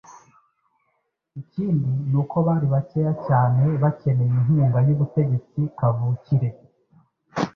Ikindi ni uko bari bakeya cyane bakeneye inkunga y'ubutegetsi kavukire.